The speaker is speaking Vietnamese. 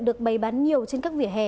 được bày bán nhiều trên các vỉa hè